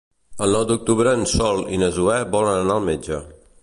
El nou d'octubre en Sol i na Zoè volen anar al metge.